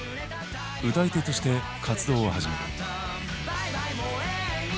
歌い手として活動を始める。